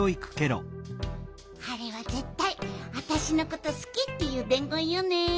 あれはぜったいあたしのことすきっていうでんごんよね。